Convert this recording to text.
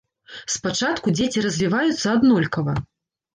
Спачатку дзеці развіваюцца аднолькава.